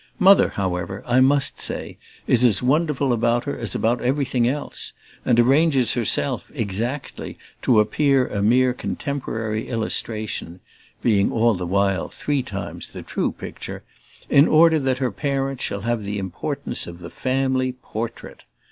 Mother, however, I must say, is as wonderful about her as about everything else, and arranges herself, exactly, to appear a mere contemporary illustration (being all the while three times the true picture) in order that her parent shall have the importance of the Family Portrait.